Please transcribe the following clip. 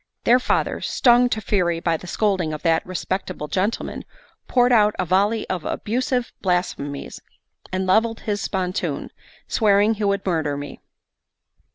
Their father, stung to fury by the scolding of that respectable gentleman, poured out a volley of abusive blasphemies, and levelled his spontoon, swearing he would murder me.